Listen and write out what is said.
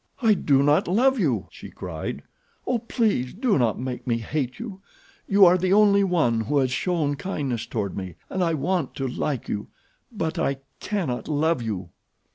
"I do not love you," she cried. "Oh, please do not make me hate you. You are the only one who has shown kindness toward me, and I want to like you, but I cannot love you."